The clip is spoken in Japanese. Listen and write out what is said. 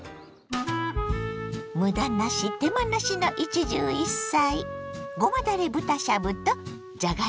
むだなし手間なしの一汁一菜。